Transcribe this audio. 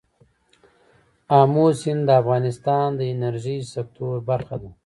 آمو سیند د افغانستان د انرژۍ سکتور برخه ده.